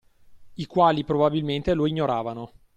I quali probabilmente lo ignoravano.